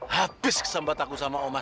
habis kesempatanku sama om mas